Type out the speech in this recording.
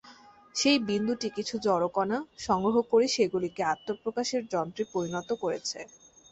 সেই বিন্দুটি কিছু জড়কণা সংগ্রহ করে সেগুলিকে আত্মপ্রকাশের যন্ত্রে পরিণত করেছে।